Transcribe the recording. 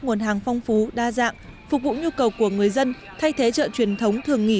nguồn hàng phong phú đa dạng phục vụ nhu cầu của người dân thay thế chợ truyền thống thường nghỉ